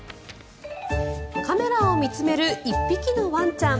カメラを見つめる１匹のワンちゃん。